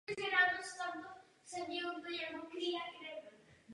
Druhá etapa výstavby pak měla zahrnovat samotné zbudování Janáčkova kulturního centra.